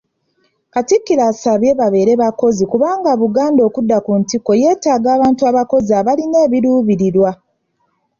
Katikkiro abasabye babeere bakozi kubanga Buganda okudda ku ntikko yeetaaga abantu abakozi abalina ebiruubirirwa.